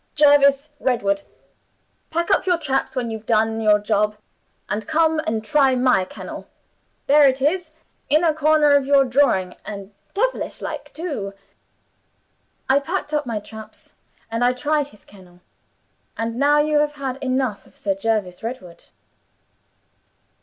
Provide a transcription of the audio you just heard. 'Jervis Redwood. Pack up your traps when you've done your job, and come and try my kennel. There it is, in a corner of your drawing, and devilish like, too.' I packed up my traps, and I tried his kennel. And now you have had enough of Sir Jervis Redwood."